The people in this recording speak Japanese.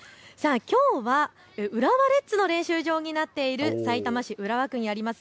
きょうは浦和レッズの練習場になっているさいたま市浦和区にあります